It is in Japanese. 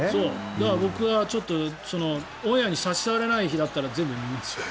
だから僕はオンエアに差し障らない日だったら全部見るでしょう。